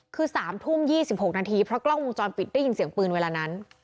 คือสามทุ่มยี่สิบหกนาทีเพราะกล้องมุมจรปิดได้ยินเสียงปืนเวลานั้น